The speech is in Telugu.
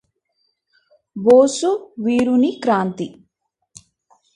బోసు వీరుని క్రాంతి